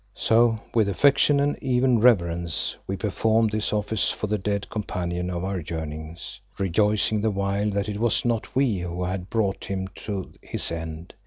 So with affection, and even reverence, we performed this office for the dead companion of our journeyings, rejoicing the while that it was not we who had brought him to his end.